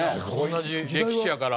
同じ歴史やから。